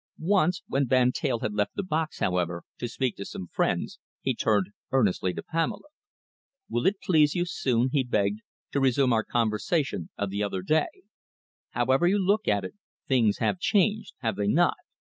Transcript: Once, when Van Teyl had left the box, however, to speak to some friends, he turned earnestly to Pamela. "Will it please you soon," he begged, "to resume our conversation of the other day? However you may look at it, things have changed, have they not?